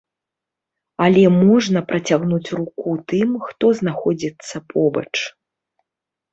Але можна працягнуць руку тым, хто знаходзіцца побач.